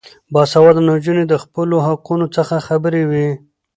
باسواده نجونې د خپلو حقونو څخه خبرې وي.